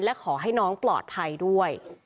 และขอให้น้องปลอดภัยด้วย